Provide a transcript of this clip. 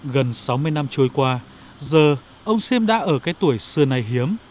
gần sáu mươi năm trôi qua giờ ông siêm đã ở cái tuổi xưa nay hiếm